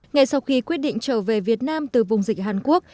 ngay sau khi quyết định trở về việt nam từ vùng dịch hàn quốc